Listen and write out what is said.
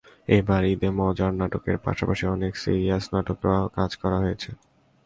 এবার ঈদে মজার নাটকের পাশাপাশি অনেক সিরিয়াস নাটকেও কাজ করা হয়েছে।